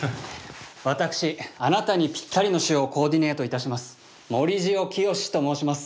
私あなたにぴったりの塩をコ―ディネートいたします盛塩清と申します。